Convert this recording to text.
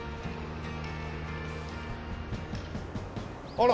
あら。